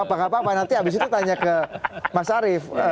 apa nggak apa apa nanti abis itu tanya ke mas arief